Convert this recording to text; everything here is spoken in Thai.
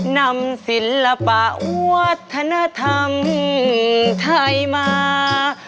นำศิลปะวัฒนธรรมไทยมา